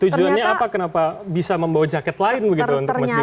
tujuannya apa kenapa bisa membawa jaket lain begitu untuk mas gibran